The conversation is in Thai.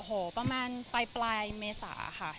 โอ้โหประมาณปลายเมษาค่ะ